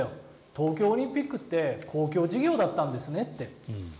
東京オリンピックって公共事業だったんですねって。